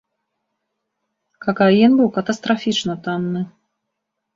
Какаін быў катастрафічна танны.